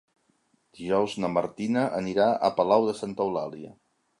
Dijous na Martina anirà a Palau de Santa Eulàlia.